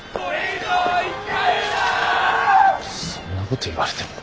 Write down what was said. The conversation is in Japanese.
そんなこと言われても。